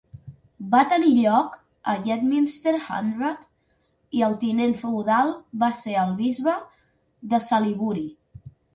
Va tenir lloc a Yetminster Hundred i el tinent feudal en va ser el Bisbe de Salisbury.